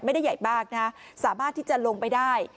ไม่ได้ใหญ่มากนะสามารถที่จะลงไปได้